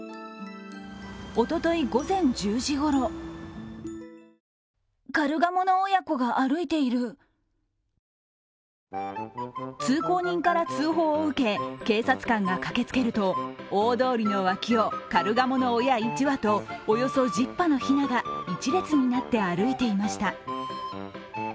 おととい、午前１０時ごろ通行人から通報を受け、警察官が駆けつけると大通りの脇をカルガモの親１羽とおよそ１０羽のひなが一列になって歩いていました。